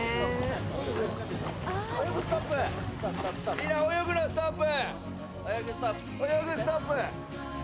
みんな泳ぐのストップ。